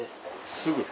すぐ？